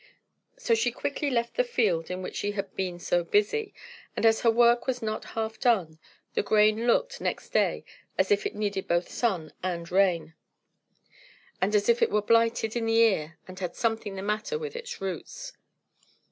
So she quickly left the field in which she had been so busy; and, as her work was not half done, the grain looked, next day, as if it needed both sun and rain, and as if it were blighted in the ear and had something the matter with its roots.